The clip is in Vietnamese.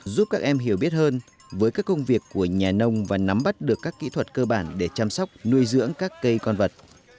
giúp các em hiểu biết hơn với các công việc của nhà nông và nắm bắt được các kỹ thuật cơ bản để chăm sóc nuôi dưỡng các cây con vật